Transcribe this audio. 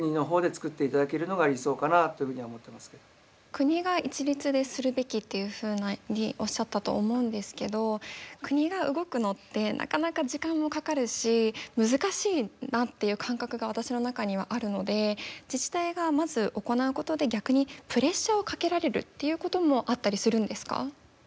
国が一律でするべきっていうふうにおっしゃったと思うんですけど国が動くのってなかなか時間もかかるし難しいなっていう感覚が私の中にはあるので自治体がまず行うことで逆にプレッシャーをかけられるっていうこともあったりするんですか。